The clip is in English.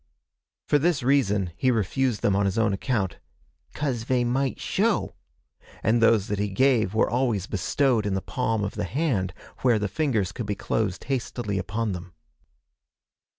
For this reason, he refused them on his own account, ''cause vey might show'; and those that he gave were always bestowed in the palm of the hand, where the fingers could be closed hastily upon them.